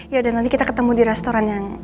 yaudah nanti kita ketemu di restoran yang